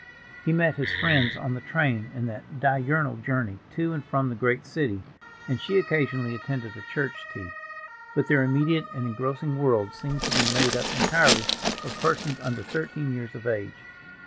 He met his friends on the train in that diurnal journey to and from the great city, and she occasionally attended a church tea; but their immediate and engrossing world seemed to be made up entirely of persons under thirteen years of age.